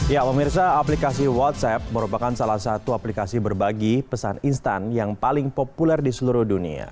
ya pemirsa aplikasi whatsapp merupakan salah satu aplikasi berbagi pesan instan yang paling populer di seluruh dunia